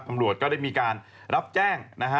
ตำรวจก็ได้มีการรับแจ้งนะฮะ